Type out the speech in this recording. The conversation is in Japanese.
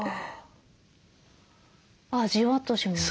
あじわっとします。